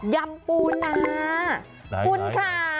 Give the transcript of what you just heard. ยำปูนาปุ่นขา